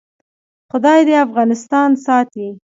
خدای دې افغانستان ساتي؟